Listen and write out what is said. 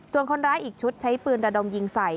ส่วนคนร้ายอีกชุดใช้ปืนระดมยิงใส่